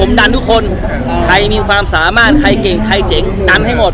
ผมดันทุกคนใครมีความสามารถใครเก่งใครเจ๋งดันให้หมด